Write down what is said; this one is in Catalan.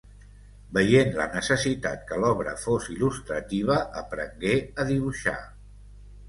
Veient la necessitat que l'obra fos il·lustrativa, aprengué a dibuixar.